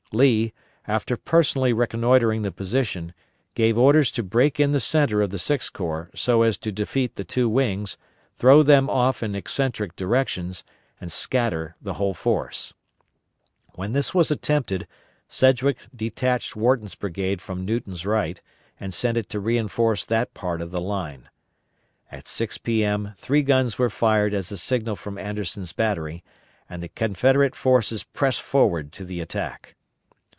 Lee, after personally reconnoitring the position, gave orders to break in the centre of the Sixth Corps so as to defeat the two wings, throw them off in eccentric directions, and scatter the whole force. When this was attempted, Sedgwick detached Wharton's brigade from Newton's right, and sent it to reinforce that part of the line. At 6 P.M. three guns were fired as a signal from Alexander's battery and the Confederate forces pressed forward to the attack.